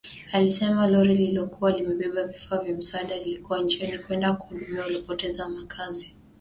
Alisema lori lililokuwa limebeba vifaa vya msaada lilikuwa njiani kwenda kuwahudumia waliopoteza makazi